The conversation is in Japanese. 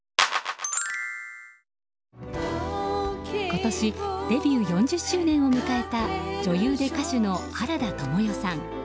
今年デビュー４０周年を迎えた女優で歌手の原田知世さん。